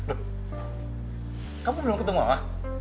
loh kamu belum ketemu ah